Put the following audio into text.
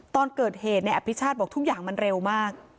ตอนเกิดเหตุในอภิชาติบอกทุกอย่างมันเร็วมาก